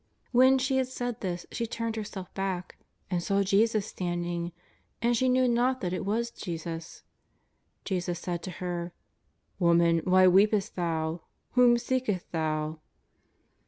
When she had said this she turned herself back, and saw Jesus standing ; and she knew not that it was Jesus. Jesus said to her: ''Woman, wdiy weepest thou? whom seekest thou